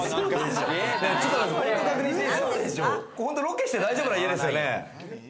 これロケして大丈夫な家ですよね？